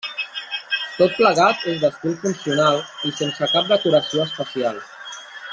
Tot plegat és d'estil funcional i sense cap decoració especial.